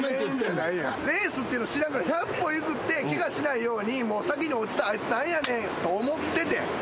レースってのを知らんから百歩譲ってケガしないようにもう先に落ちたあいつ何やねんと思っててん。